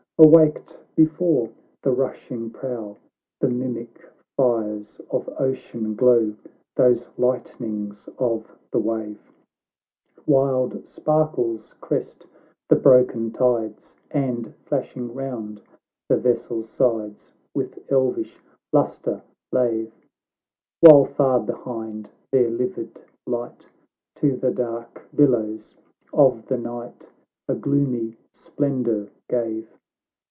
Awaked before the rushing prow, The mimic fires of ocean glow, Those lightnings of the wave;k Wild sparkles crest the broken tides, Ami, flashing round, the vessel's sides "With elvish lustre lave, While, far behind, their livid light To the dark billows of the night A gloomy splendour gave.